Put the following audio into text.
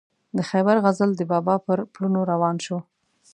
د خیبر غزل د بابا پر پلونو روان شو.